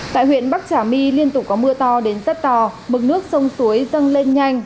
tại huyện bắc trà my liên tục có mưa to đến rất to mực nước sông suối dâng lên nhanh